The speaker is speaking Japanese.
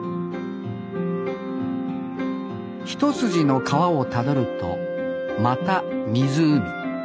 一筋の川をたどるとまた湖。